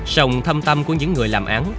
sòng thâm tâm của những người làm án